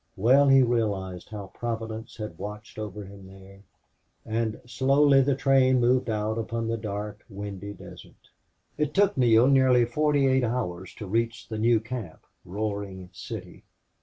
Well he realized how Providence had watched over him there. And slowly the train moved out upon the dark, windy desert. It took Neale nearly forty eight hours to reach the new camp Roaring City.